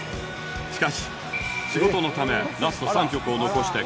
しかし仕事のためラスト３曲を残して会場を後に